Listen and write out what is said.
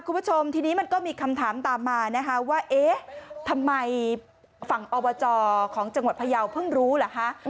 คุณผู้ชมทีนี้มันก็มีคำถามตามมานะคะว่าเอ๊ะทำไมฝั่งอบจของจังหวัดพยาวเพิ่งรู้เหรอคะ